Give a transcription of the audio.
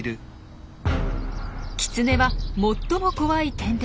キツネは最も怖い天敵の１つ。